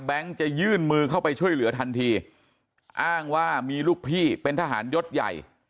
จะยื่นมือเข้าไปช่วยเหลือทันทีอ้างว่ามีลูกพี่เป็นทหารยศใหญ่